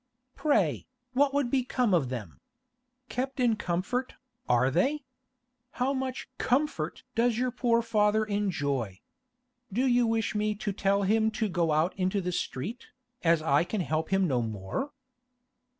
Pray, what would become of them? Kept in comfort, are they? How much comfort does your poor father enjoy? Do you wish me to tell him to go out into the street, as I can help him no more?